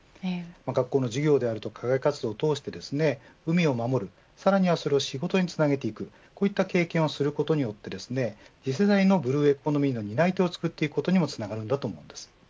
学校の授業であるとか課外活動を通して海を守るさらにそれを仕事につなげていくこういった経験をすることによって次世代のブルーエコノミーの担い手を作っていくことにもつながると思います。